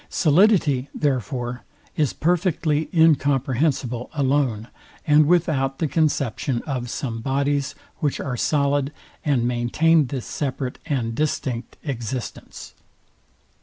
Solidity, therefore, is perfectly incomprehensible alone, and without the conception of some bodies, which are solid, and maintain this separate and distinct existence.